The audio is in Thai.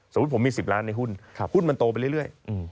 สมมุติผมมี๑๐ล้านในหุ้นหุ้นมันโตไปเรื่อย